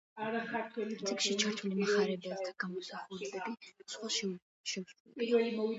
წიგნში ჩართული მახარებელთა გამოსახულებები სხვას შეუსრულებია.